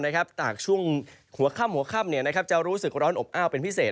แต่หากช่วงหัวข้ำจะรู้สึกร้อนอบอ้าวเป็นพิเศษ